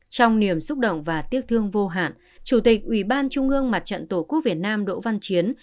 trong niềm xúc động và tiếc thương vô hạn chủ tịch ủy ban trung ương mặt trận tổ quốc việt nam đỗ văn chiến